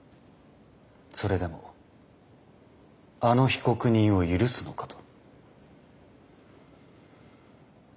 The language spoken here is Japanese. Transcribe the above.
それでもあの被告人を許すのかと。